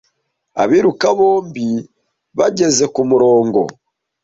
Abiruka bombi bageze kumurongo